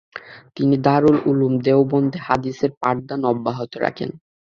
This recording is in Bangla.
তিনি দারুল উলুম দেওবন্দে হাদিসের পাঠদান অব্যাহত রাখেন।